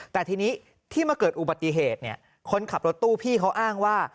แต่ทีนี้ที่มาเกิดอุบัติเหตุเนี่ยคนขับรถตู้พี่เขาอ้างว่า